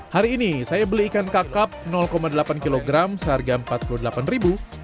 hari ini saya beli ikan kakap delapan kg seharga rp empat puluh delapan